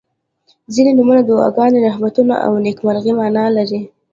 • ځینې نومونه د دعاګانو، رحمتونو او نیکمرغۍ معنا لري.